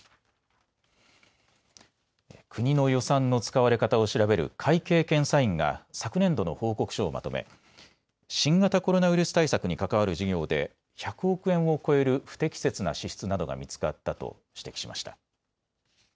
国の予算の使われ方を調べる会計検査院が昨年度の報告書をまとめ、新型コロナウイルス対策に関わる事業で１００億円を超える不適切な支出などが見つかったと指摘しました。